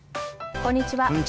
こんにちは。